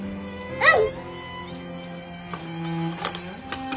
うん！